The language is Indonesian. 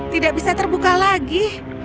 tidak bisa terbuka lagi